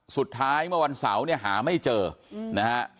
สุดท้ายเมื่อวันเสาร์หาไม่เจอนะฮะ